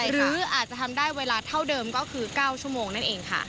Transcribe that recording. หรืออาจจะทำได้เวลาเท่าเดิมก็คือ๙ชั่วโมงนั่นเองค่ะ